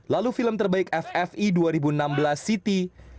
lalu film terbaik ffi dua ribu enam belas city